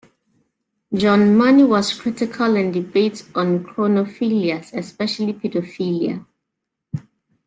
John Money was critical in debates on chronophilias, especially pedophilia.